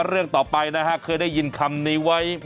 เรื่องต่อไปนะฮะเคยได้ยินคำนี้ไว้